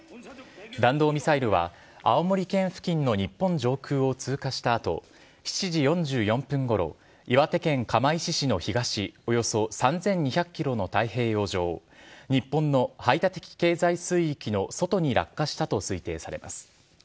弾道ミサイルは青森県付近の日本上空を通過したあと、７時４４分ごろ、岩手県釜石市の東およそ３２００キロの太平洋上、日本の排他的経済水域の外に落下したと推定されます。